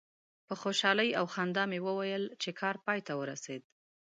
په خوشحالي او خندا مې وویل چې کار پای ته ورسید.